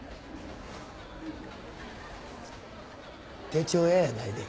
手帳屋やないで。